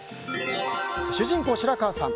主人公・白川さん